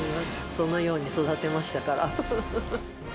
そのように育てましたから。